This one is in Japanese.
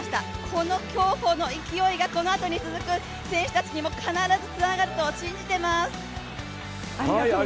この競歩の勢いが、このあとに続く選手たちにも必ずつながると信じています。